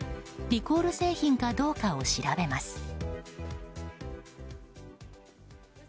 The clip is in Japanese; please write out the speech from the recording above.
リコール製品かどうかを調べます。